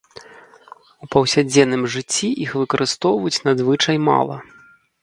У паўсядзённым жыцці іх выкарыстоўваюць надзвычай мала.